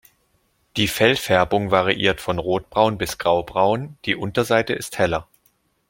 Die Fellfärbung variiert von rotbraun bis graubraun, die Unterseite ist heller.